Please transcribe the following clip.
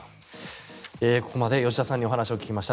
ここまで吉田さんにお話を伺いました。